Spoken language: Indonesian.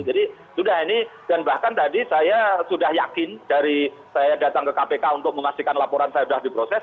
jadi sudah ini dan bahkan tadi saya sudah yakin dari saya datang ke kpk untuk mengasihkan laporan saya sudah diproses